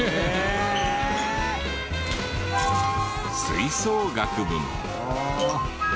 吹奏楽部も。